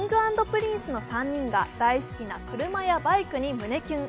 Ｋｉｎｇ＆Ｐｒｉｎｃｅの３人が大好きな車やバイクに胸キュン。